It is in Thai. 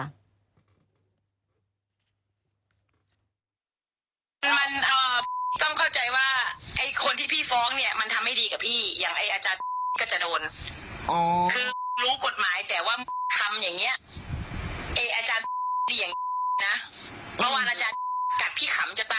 อาจารย์ดิฉัน